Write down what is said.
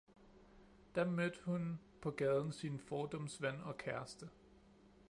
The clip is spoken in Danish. Da mødte hun på gaden sin fordums ven og kæreste